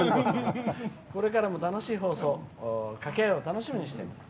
これからも楽しい放送掛け合いを楽しみにしています。